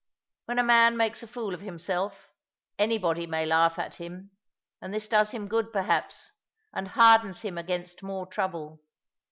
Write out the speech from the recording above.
When a man makes a fool of himself, anybody may laugh at him; and this does him good, perhaps, and hardens him against more trouble.